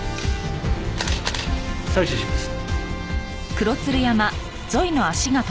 採取します。